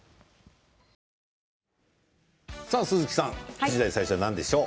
９時台最初は何でしょう。